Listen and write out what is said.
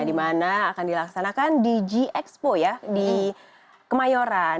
dimana akan dilaksanakan dg expo ya di kemayoran